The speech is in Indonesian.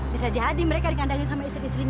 bisa jadi mereka dikandangin sama istri istrinya